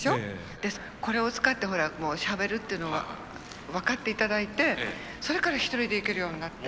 でこれを使ってしゃべるっていうのは分かっていただいてそれから一人で行けるようになって。